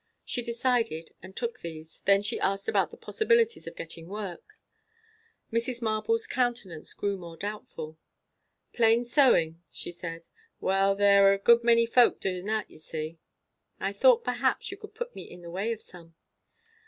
She decided, and took these. Then she asked about the possibilities of getting work. Mrs. Marble's countenance grew more doubtful. "Plain sewing?" she said. "Well, there's a good many folks doing that, you see." "I thought, perhaps, you could put me in the way of some."